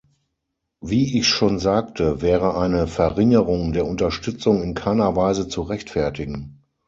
Wie ich schon sagte, wäre eine Verringerung der Unterstützung in keiner Weise zu rechtfertigen.